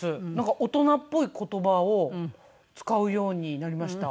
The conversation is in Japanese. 大人っぽい言葉を使うようになりました。